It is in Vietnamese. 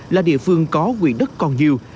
là địa phương có quỹ đất còn nhiều